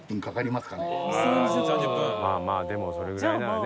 まあまあでもそれぐらいならね。